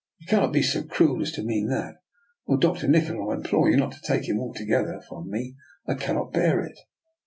" You cannot be so cruel as to mean that, Oh, Dr. Nikola, I implore you not to take him altogether from me. I cannot bear it."